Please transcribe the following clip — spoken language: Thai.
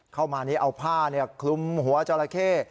เข้ามานี่เอาผ้าคลุมหัวจราเข้